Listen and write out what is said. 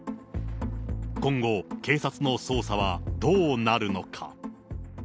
今後、警察の捜査はどうなるのか。